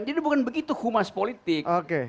jadi bukan begitu kumas politik